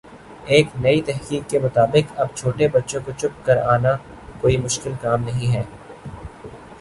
ایک نئی تحقیق کے مطابق اب چھوٹے بچوں کو چپ کر آنا کوئی مشکل کام نہیں ہے